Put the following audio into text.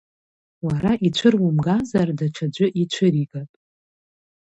Уара ицәырумгазар даҽаӡәы ицәыригап.